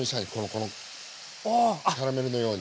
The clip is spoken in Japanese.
このキャラメルのように。